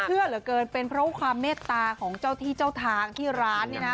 เชื่อเหลือเกินเป็นเพราะความเมตตาของเจ้าที่เจ้าทางที่ร้านนี่นะ